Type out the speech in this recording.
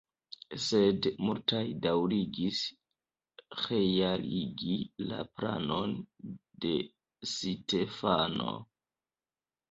Sed multaj daŭrigis realigi la planon de Stefano.